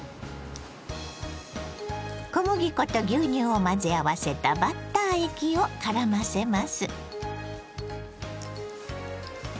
小麦粉と牛乳を混ぜ合わせたバッター液をからませます。